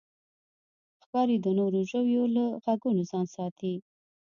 ښکاري د نورو ژویو له غږونو ځان ساتي.